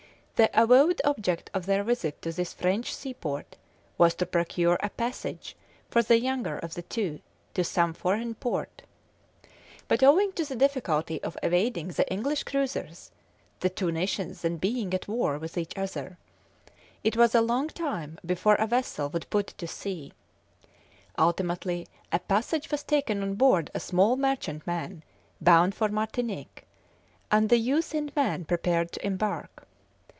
The avowed object of their visit to this French seaport was to procure a passage for the younger of the two to some foreign port; but owing to the difficulty of evading the English cruisers the two nations then being at war with each other it was a long time before a vessel would put to sea. Ultimately, a passage was taken on board a small merchantman bound for Martinique, and the youth and man prepared to embark.